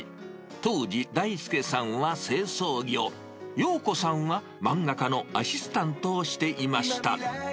当時、大輔さんは清掃業、ようこさんは漫画家のアシスタントをしていました。